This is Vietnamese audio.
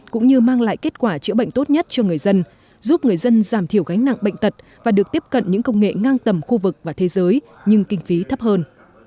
cũng như mang lại kết quả chữa bệnh tốt nhất cho người dân giúp người dân giảm thiểu gánh nặng bệnh tật và được tiếp cận những công nghệ ngang tầm khu vực và thế giới nhưng kinh phí thấp hơn